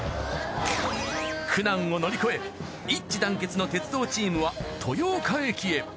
苦難を乗り越え一致団結の鉄道チームは豊岡駅へ。